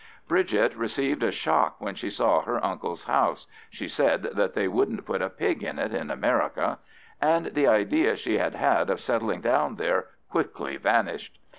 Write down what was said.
Bridget received a shock when she saw her uncle's house—she said that they wouldn't put a pig in it in America—and the idea she had had of settling down there quickly vanished.